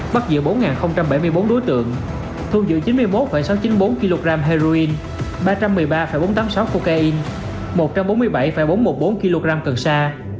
bắt giữ bốn bảy mươi bốn đối tượng thu giữ chín mươi một sáu trăm chín mươi bốn kg heroin ba trăm một mươi ba bốn trăm tám mươi sáu cocaine một trăm bốn mươi bảy bốn trăm một mươi bốn kg cần sa